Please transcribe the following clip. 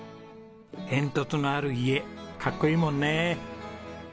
煙突のある家かっこいいもんね。